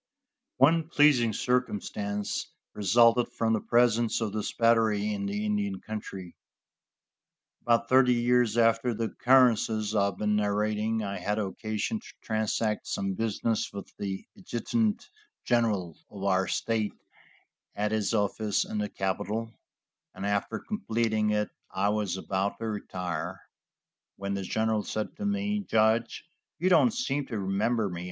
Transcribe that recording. One pleasing circumstance resulted from the presence of this battery in the Indian country. About thirty years after the occurrences I have been narrating I had occasion to transact some business with the adjutant general of our state at his office in the capitol, and after completing it I was about to retire, when the general said to me: "Judge, you don't seem to remember me."